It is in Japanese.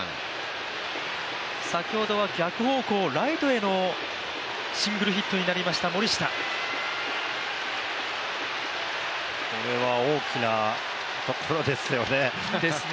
先ほどは逆方向、ライトへのシングルヒットになりました、森下これは大きなところですよね。